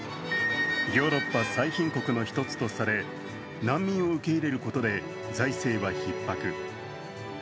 ヨーロッパ最貧国の１つとされ難民を受け入れることで財政はひっ迫。